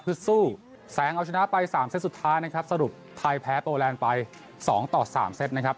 เพื่อสู้แสงเอาชนะไป๓เซตสุดท้ายนะครับสรุปไทยแพ้โปรแลนด์ไป๒ต่อ๓เซตนะครับ